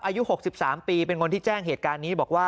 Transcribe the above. อายุ๖๓ปีเป็นคนที่แจ้งเหตุการณ์นี้บอกว่า